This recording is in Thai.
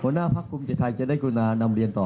หัวหน้าพักภูมิใจไทยจะได้กรุณานำเรียนต่อ